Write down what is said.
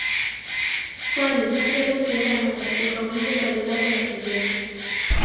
kwani hata leo ukienda Mara ukauliza swali lako kizembe